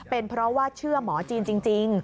เป็นเพราะว่าเชื่อหมอจีนจริง